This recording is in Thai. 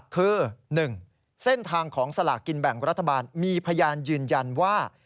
คือ๑เส้นทางของสลากกินแบ่งรัฐบาลมีพยานยืนยันว่า